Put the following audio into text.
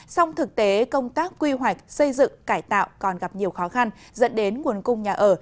song thực tế công tác quy hoạch xây dựng cải tạo còn gặp nhiều khó khăn dẫn đến nguồn cung nhà ở